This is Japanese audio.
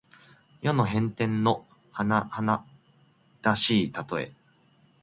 世の変転のはなはだしいたとえ。